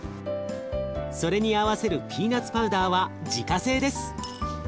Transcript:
それに合わせるピーナツパウダーは自家製です。